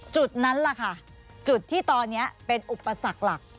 จุดนั้นแหละค่ะจุดที่ตอนนี้เป็นอุปสรรคหลัก